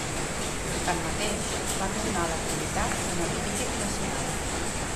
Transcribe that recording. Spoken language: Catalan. Tanmateix, va tornar a l'activitat en el criquet nacional.